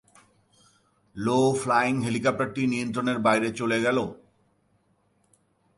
Low-flying হেলিকপ্টারটি নিয়ন্ত্রণের বাইরে চলে গেল।